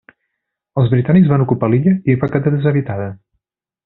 Els britànics van ocupar l'illa i va quedar deshabitada.